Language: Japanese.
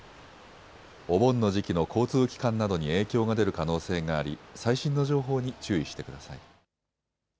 お盆の時期の交通機関などに影響が出る可能性があり最新の情報に注意してください。